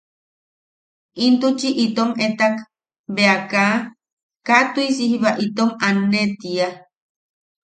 Intuchi itom etak bea kaa... kaa tuʼisi jiba itom aanne tiia.